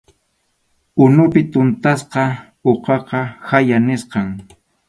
Unupi tuntasqa uqaqa khaya nisqam.